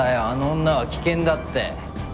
あの女は危険だって。